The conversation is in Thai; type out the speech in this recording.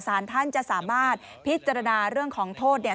สารท่านจะสามารถพิจารณาเรื่องของโทษเนี่ย